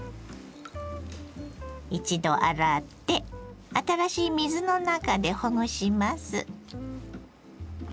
一度洗って新しい水の中でほぐします。